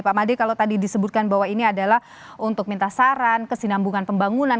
pak made kalau tadi disebutkan bahwa ini adalah untuk minta saran kesinambungan pembangunan